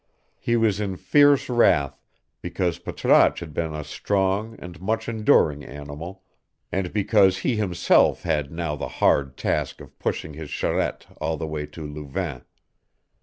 He was in fierce wrath, because Patrasche had been a strong and much enduring animal, and because he himself had now the hard task of pushing his charette all the way to Louvain.